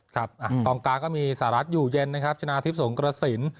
กองกลางก็มีศาลัทยูเย็นชนาทฤพธิปศ์สงกระสิน